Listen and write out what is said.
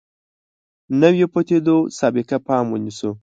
نویو پدیدو سابقه پام ونیسو.